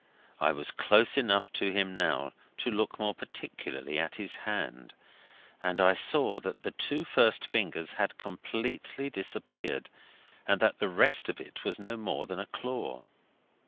I was close enough to him now to look more particularly at his hand, and I saw that the two first fingers had completely disappeared, and that the rest of it was no more than a claw.